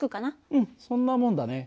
うんそんなもんだね。